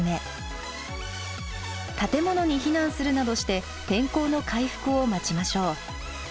建物に避難するなどして天候の回復を待ちましょう。